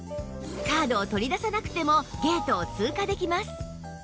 カードを取り出さなくてもゲートを通過できます